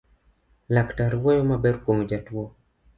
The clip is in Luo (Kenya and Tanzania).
Laktar wuoyo maber kuom jatuo